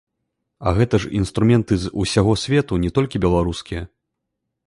А гэта ж інструменты з усяго свету, не толькі беларускія.